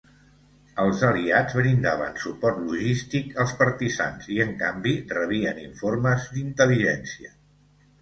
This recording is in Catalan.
Els Aliats brindaven suport logístic als partisans i en canvi rebien informes d'intel·ligència.